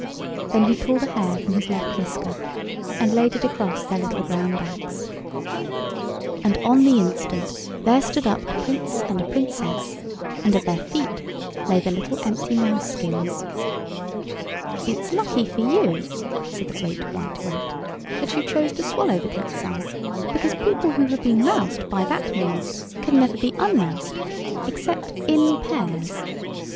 Then he pulled a hair from his left whisker and laid it across their little brown backs. And on the instant there stood up a Prince and a Princess and at their feet lay the little empty mouse skins. [Illustration: THERE STOOD UP A PRINCE AND A PRINCESS.] "It's lucky for you," said the Great White Rat, "that you chose to swallow the Cat's eye, because people who have been moused by that means can never be un moused except in pairs.